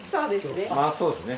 そうですね。